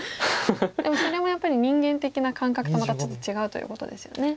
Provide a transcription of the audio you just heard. でもそれもやっぱり人間的な感覚とまたちょっと違うということですよね。